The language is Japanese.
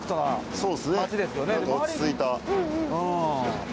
そうですねなんか落ち着いた。